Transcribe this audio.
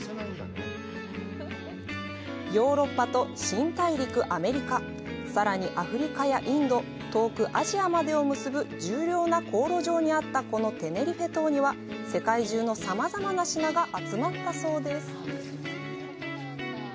ヨーロッパと新大陸アメリカ、さらにアフリカやインド、遠くアジアまでを結ぶ重要な航路上にあったこのテネリフェ島には、世界中のさまざまな品が集まったそうです。